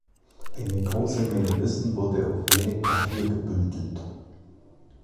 Eine große Menge Wissen wurde auf wenig Papier gebündelt.